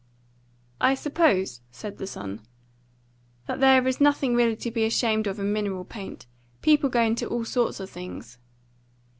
"I suppose," said the son, "that there is nothing really to be ashamed of in mineral paint. People go into all sorts of things."